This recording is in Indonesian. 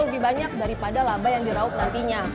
lebih banyak daripada laba yang diraup nantinya